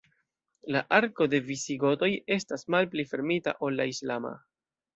La arko de visigotoj estas malpli fermita ol la islama.